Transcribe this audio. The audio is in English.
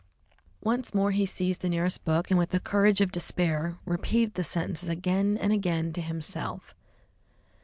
Once more he seized the nearest book, and with the courage of despair repeated the sentences again and again to himself.